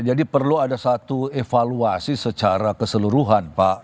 jadi perlu ada satu evaluasi secara keseluruhan pak